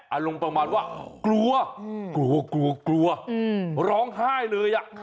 อารมณ์ประมาณว่ากลัวกลัวกลัวกลัวกลัวร้องไห้เลย